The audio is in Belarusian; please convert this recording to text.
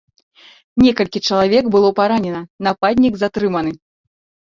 Некалькі чалавек было паранена, нападнік затрыманы.